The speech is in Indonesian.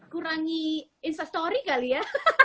kurangi instastory kali ya